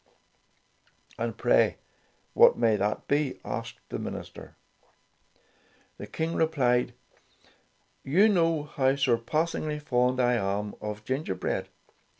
Tales of Modern Germany 27 "And pray, what may that be?" asked the minister. The King replied, "You know how sur passingly fond I am of gingerbread ?